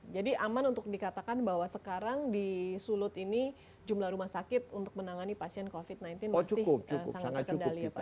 jadi aman untuk dikatakan bahwa sekarang di sulut ini jumlah rumah sakit untuk menangani pasien covid sembilan belas masih sangat terkendali pak